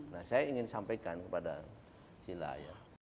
nah saya ingin sampaikan kepada sila ya